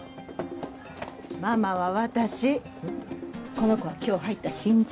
この子は今日入った新人。